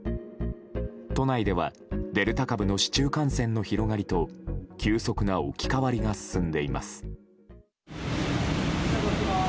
都内ではデルタ株の市中感染の広がりと急速な置き換わりが進んでいます。